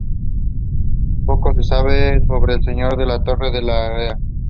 Poco se sabe sobre el señor de la Torre de Larrea.